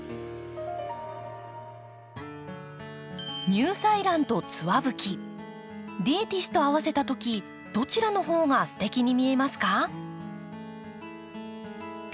ニューサイランとツワブキディエティスと合わせた時どちらの方がすてきに見えますか？